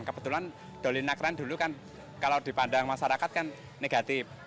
kebetulan doli naik keran dulu kan kalau dipandang masyarakat kan negatif